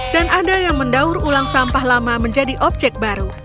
dan ada yang mendaur ulang sampah lama menjadi objek baru